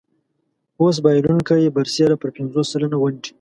اوس بایلونکی برسېره پر پنځوس سلنه ونډې.